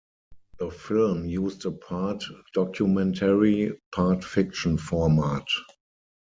The film used a part-documentary, part-fiction format.